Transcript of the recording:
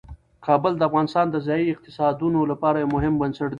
کابل د افغانستان د ځایي اقتصادونو لپاره یو مهم بنسټ دی.